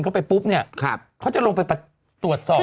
คือเค้าลงไปตรวจส่อม